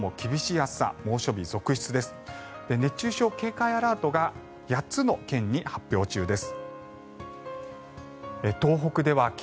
熱中症警戒アラートが８つの県に発表中です。